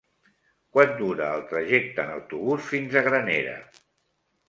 Quant dura el trajecte en autobús fins a Granera?